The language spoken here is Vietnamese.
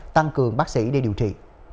tăng cường bác sĩ để điều trị